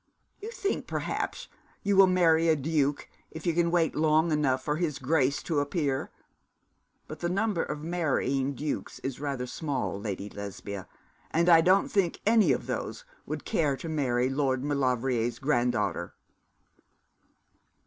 You think, perhaps, you will marry a duke, if you wait long enough for his Grace to appear; but the number of marrying dukes is rather small, Lady Lesbia, and I don't think any of those would care to marry Lord Maulevrier's granddaughter.'